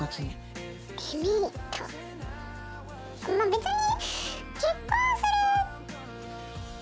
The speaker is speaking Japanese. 別に。